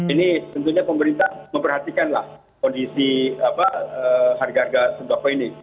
ini tentunya pemerintah memperhatikanlah kondisi harga harga sumpah pening